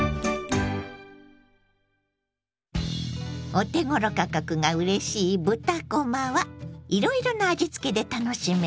お手ごろ価格がうれしい豚こまはいろいろな味付けで楽しめます。